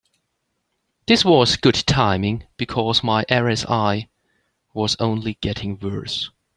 This was good timing, because my RSI was only getting worse.